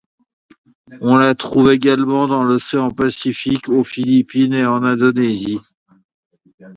On la trouve également dans l'océan Pacifique, aux Philippines et en Indonésie.